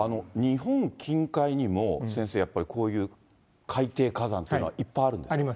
日本近海にも、先生、やっぱりこういう海底火山っていうのはいっぱいあるんですか。